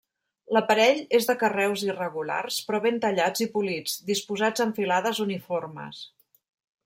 L'aparell és de carreus irregulars, però ben tallats i polits, disposats en filades uniformes.